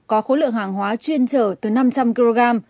có khối lượng hàng hóa chuyên trở từ năm trăm linh kg